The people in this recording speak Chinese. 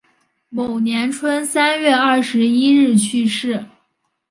某年春三月二十一日去世。